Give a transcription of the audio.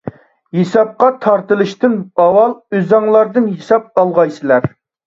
ھېسابقا تارتىلىشتىن ئاۋۋال ئۆزۈڭلاردىن ھېساب ئالغايسىلەر.